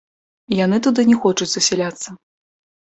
Яны туды не хочуць засяляцца.